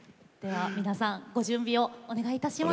皆さんご準備をお願いいたします。